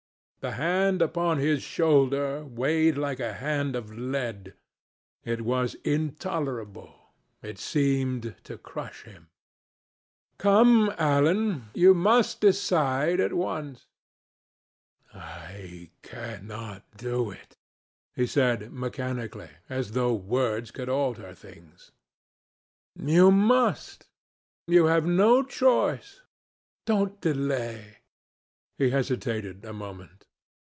The hand upon his shoulder weighed like a hand of lead. It was intolerable. It seemed to crush him. "Come, Alan, you must decide at once." "I cannot do it," he said, mechanically, as though words could alter things. "You must. You have no choice. Don't delay." He hesitated a moment.